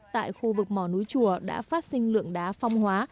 tại khu vực mỏ núi chùa đã phát sinh lượng đá phong hóa